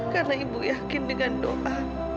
karena ibu yakin dengan doa